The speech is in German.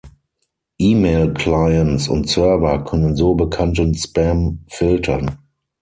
E-Mail-Clients und -Server können so bekannten Spam filtern.